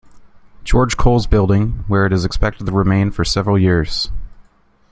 George Coles Building, where it is expected to remain for several years.